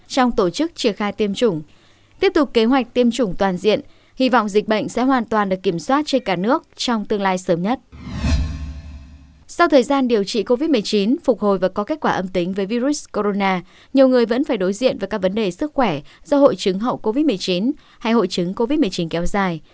trong thời gian điều trị covid một mươi chín phục hồi và có kết quả âm tính với virus corona nhiều người vẫn phải đối diện với các vấn đề sức khỏe do hội chứng hậu covid một mươi chín hay hội chứng covid một mươi chín kéo dài